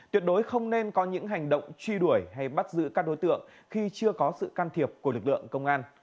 tuyệt đối không nên có những hành động truy đuổi hay bắt giữ các đối tượng khi chưa có sự can thiệp của lực lượng công an